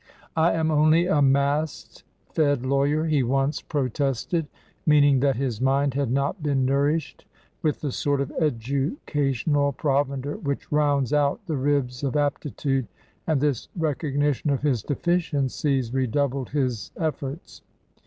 "I am only a mast fed lawyer," he once protested, meaning that his mind had not been nourished with the sort of educational provender which rounds out the ribs of aptitude, and this recognition of his deficiencies redoubled his efforts.